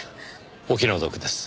お気の毒です。